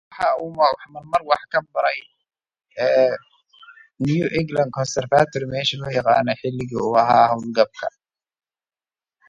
He taught occasionally at the New England Conservatory during his retirement.